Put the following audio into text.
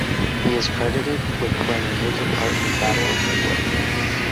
He is credited with playing a major part in the Battle of Midway.